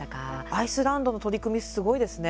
アイスランドの取り組み、すごいですね。